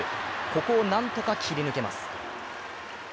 ここを何とか切り抜けます。